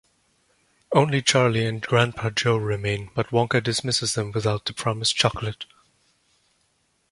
Only Charlie and Grandpa Joe remain, but Wonka dismisses them without the promised chocolate.